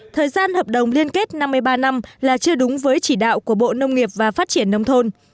thời gian hợp đồng liên kết năm mươi ba năm là chưa đúng với chỉ đạo của bộ nông nghiệp và phát triển nông thôn